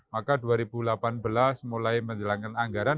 maka dua ribu delapan belas mulai menjelangkan anggaran